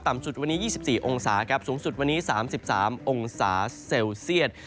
สุดวันนี้๒๔องศาครับสูงสุดวันนี้๓๓องศาเซลเซียต